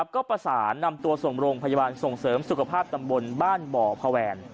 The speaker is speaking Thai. ก็ประสานนำตัวส่งโรงพยาบาลส่งเสริมสุขภาพตำบลบ้านบ่อพแวน